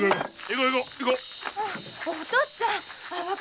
今お父っつぁんが。